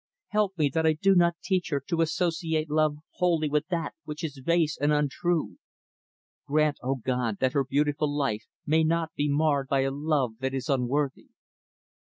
Help me, that I do not teach her to associate love wholly with that which is base and untrue. Grant, O God, that her beautiful life may not be marred by a love that is unworthy."